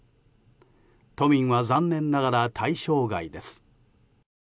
都民は残念ながら対象外です。